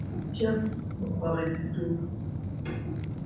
Tiens ! on croirait Buteau.